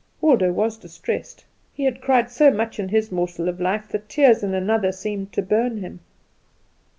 Waldo was distressed. He had cried so much in his morsel of life that tears in another seemed to burn him.